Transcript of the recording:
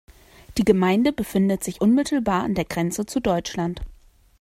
Die Gemeinde befindet sich unmittelbar an der Grenze zu Deutschland.